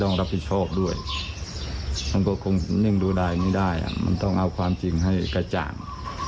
ต้องรับผิดชอบด้วยมันก็คงนิ่งดูได้ไม่ได้มันต้องเอาความจริงให้กระจ่าง